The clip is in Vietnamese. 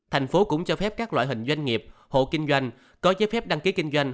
thành phố cũng cho phép các loại hình doanh nghiệp hộ kinh doanh có giấy phép đăng ký kinh doanh